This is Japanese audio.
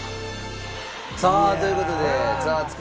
さあという事でザワつく！